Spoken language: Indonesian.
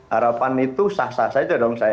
harapan itu sah sah saja dong saya